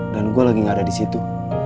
dan gue lagi gak ada di situ